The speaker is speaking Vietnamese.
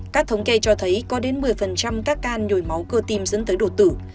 các thống kê cho thấy có đến một mươi các can nhồi máu cơ tim dẫn tới đột tử